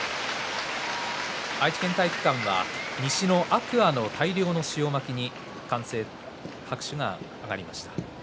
愛知県体育館は西の天空海の大量の塩まきに歓声と拍手が沸きました。